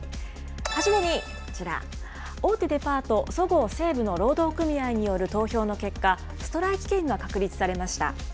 初めにこちら、大手デパート、そごう・西武の労働組合による投票の結果、ストライキ権が確立されました。